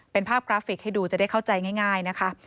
เป็นภาพกราฟิกให้ดูจะได้เข้าใจง่ายนะคะ